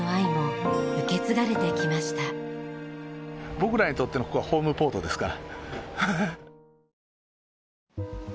僕らにとってのここはホームポートですから。